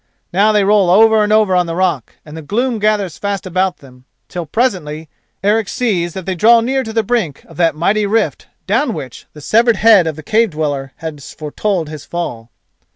Now they roll over and over on the rock, and the gloom gathers fast about them till presently Eric sees that they draw near to the brink of that mighty rift down which the severed head of the cave dweller has foretold his fall.